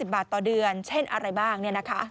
๒๘๕๐บาทต่อเดือนเช่นอะไรบ้างเนี่ยนะคะ